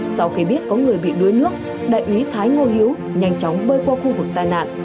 sau khi biết có người bị đuối nước đại úy thái ngô hiếu nhanh chóng bơi qua khu vực tai nạn